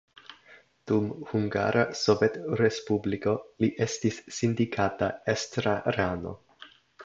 Dum Hungara Sovetrespubliko li estis sindikata estrarano.